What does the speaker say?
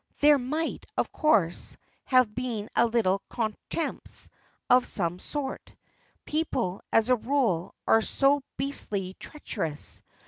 There might, of course, have been a little contretemps of some sort. People, as a rule, are so beastly treacherous!